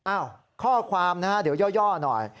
ข้อความนะฮะเดี๋ยวย่อหน่อย